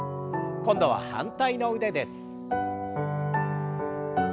今度は反対の腕です。